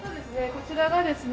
こちらがですね